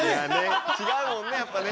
違うもんねやっぱね。